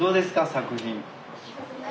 作品。